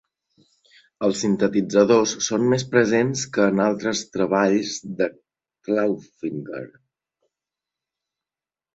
Els sintetitzadors són més presents que a altres treballs de Clawfinger.